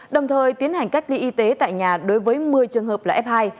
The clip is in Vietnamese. đồng thời tiến hành cách ly y tế tại nhà đối với một mươi trường hợp là f hai